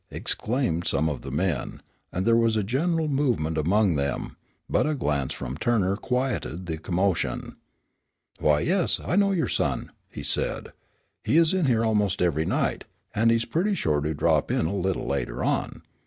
exclaimed some of the men, and there was a general movement among them, but a glance from Turner quieted the commotion. "Why, yes, I know your son," he said. "He's in here almost every night, and he's pretty sure to drop in a little later on.